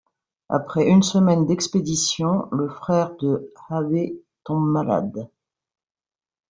Après une semaine d’expédition, le frère de Havet tombe malade.